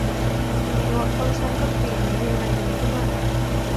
Mẹ gọi con sang gấp vì mấy người này đúng không ạ